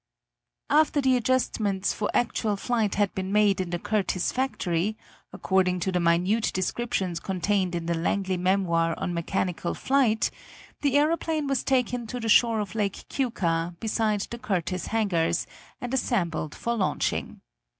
After the adjustments for actual flight had been made in the Curtiss factory, according to the minute descriptions contained in the Langley Memoir on Mechanical Flight, the aeroplane was taken to the shore of Lake Keuka, beside the Curtiss hangars, and assembled for launching.